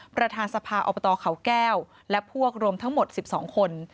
ประธานสภาอบตเขาแก้วและพวกรวมทั้งหมด๑๒คน